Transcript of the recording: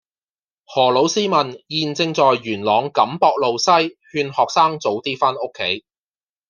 何老師問現正在元朗錦壆路西勸學生早啲返屋企